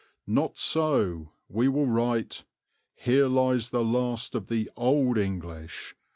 '" "Not so. We will write, 'Here lies the last of the old English.'